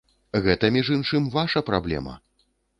Гэта, між іншым, ваша праблема!